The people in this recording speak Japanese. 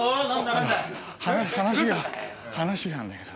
話が話があるんだけど。